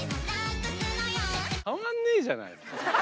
変わんねえじゃない。